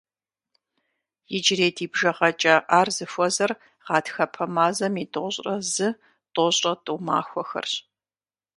Иджырей ди бжыгъэкӏэ ар зыхуэзэр гъатхэпэ мазэм и тӏощӏрэ зы-тӏощӏрэ тӏу махуэхэрщ.